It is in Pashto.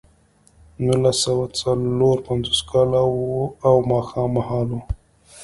نولس سوه څلور پنځوس کال و او ماښام مهال و